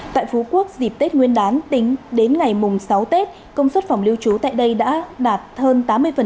tại phú quốc dịp tết nguyên đán tính đến ngày mùng sáu tết công suất phòng lưu trú tại đây đã đạt hơn tám mươi